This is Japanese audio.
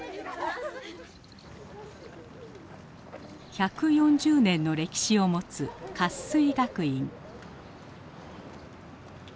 １４０年の歴史を持つ活水学院。